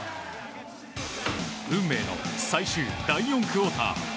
運命の最終第４クオーター。